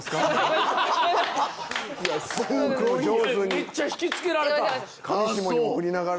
めっちゃ引き付けられた。